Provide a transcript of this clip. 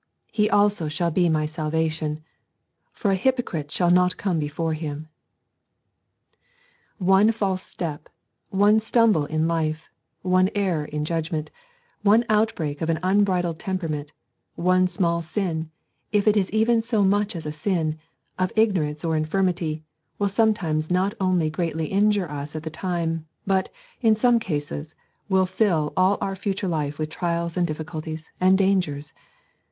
He also shall be my salvation; for an hypocrite shall not come before Him.' One false step, one stumble in life, one error in judgment, one outbreak of an unbridled temperament, one small sin, if it is even so much as a sin, of ignorance or of infirmity, will sometimes not only greatly injure us at the time, but, in some cases, will fill all our future life with trials and difficulties and dangers.